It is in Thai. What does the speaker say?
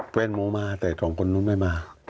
เพื่อนหมูมาแต่๒คนนู้นไม่มา